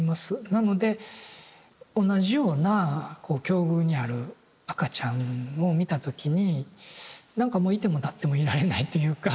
なので同じようなこう境遇にある赤ちゃんを見た時になんかもう居ても立ってもいられないというか。